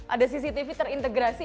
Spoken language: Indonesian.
ada cctv terintegrasi